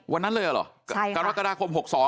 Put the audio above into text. วันนั้นเลยเหรอกรกฎาคม๖๒